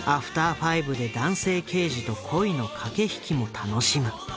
ファイブで男性刑事と恋の駆け引きも楽しむ。